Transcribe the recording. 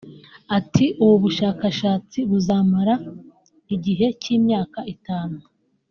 Ati “Ubu bushakashatsi buzamara igihe cy’imyaka itanu